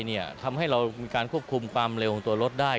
ทว่าจะทำให้เรามีการควบคุมความเร็วของรถได้